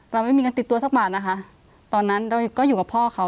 เราไม่มีเงินติดตัวสักบาทนะคะตอนนั้นเราก็อยู่กับพ่อเขา